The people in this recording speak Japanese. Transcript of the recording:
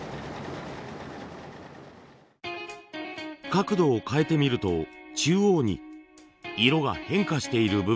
角度を変えて見ると中央に色が変化している部分が。